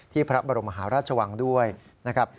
พระบรมหาราชวังด้วยนะครับ